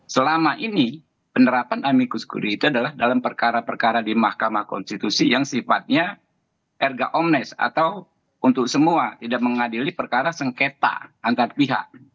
selama ini penerapan amikus security itu adalah dalam perkara perkara di mahkamah konstitusi yang sifatnya erga omnes atau untuk semua tidak mengadili perkara sengketa antar pihak